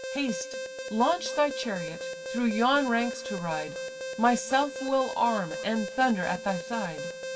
Haste, launch thy chariot, through yon ranks to ride; Myself will arm, and thunder at thy side.